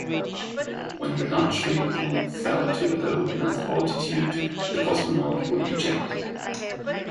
When the launch vehicle fell to a low enough altitude, the cosmonaut would eject.